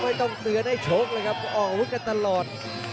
ไม่ต้องเตือนให้โชคเลยครับอ้อมพึ่งกันตลอด